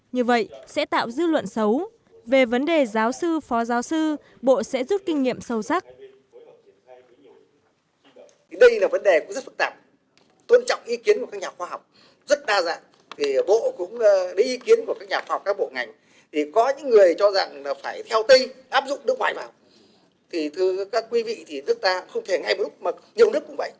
như vậy sẽ tạo dư luận xấu về vấn đề giáo sư phó giáo sư bộ sẽ giúp kinh nghiệm sâu sắc